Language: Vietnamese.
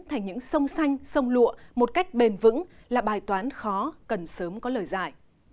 thành những sông xanh sông lụa một cách bền vững là bài toán khó cần sớm có lời giải